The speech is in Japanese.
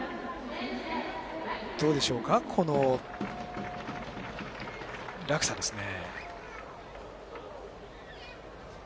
どうでしょうか、この落差ですね。